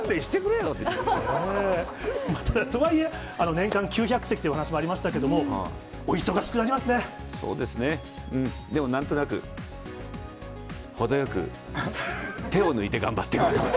ただ、とはいえ年間９００席っていうお話もありましたけど、お忙しくなそうですね、うん、でもなんとなく、程よく手を抜いて頑張っていこうと。